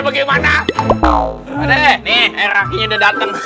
pade nih air aki sudah datang